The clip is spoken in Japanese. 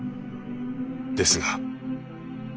ですが。